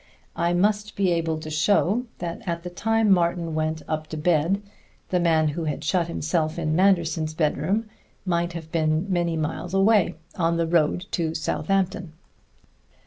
I must be able to show that at the time Martin went up to bed, the man who had shut himself in Manderson's bedroom might have been many miles away on the road to Southampton.